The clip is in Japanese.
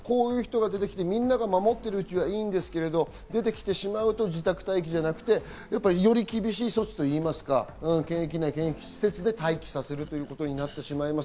みんなが守っているうちはいいんですけど、自宅待機じゃなくて、より厳しい措置といいますか、検疫施設で待機させるということになってしまいます。